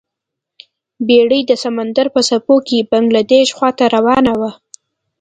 بیړۍ د سمندر په څپو کې بنګلادیش خواته روانه وه.